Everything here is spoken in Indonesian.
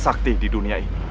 sakti di dunia ini